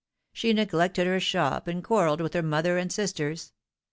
She neglected her shop, and quarrelled with her mother and sisters.